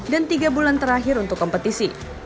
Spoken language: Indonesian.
dan tiga bulan terakhir untuk kompetisi